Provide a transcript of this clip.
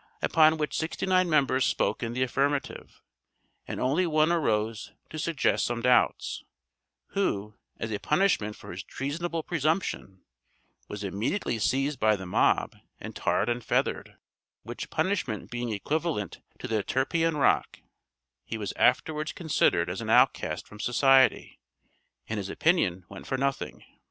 upon which sixty nine members spoke in the affirmative, and only one arose to suggest some doubts, who, as a punishment for his treasonable presumption, was immediately seized by the mob, and tarred and feathered, which punishment being equivalent to the Tarpeian Rock, he was afterwards considered as an outcast from society, and his opinion went for nothing.